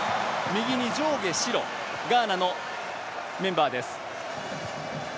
右に上下、白ガーナのメンバーです。